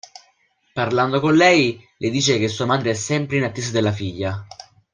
Parlando con lei, le dice che sua madre è sempre in attesa della figlia.